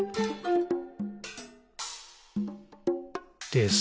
「です。」